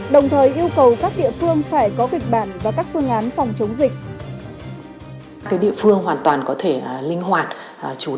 đồng thời yêu cầu các địa phương phải có kịch bản và các phương án phòng chống dịch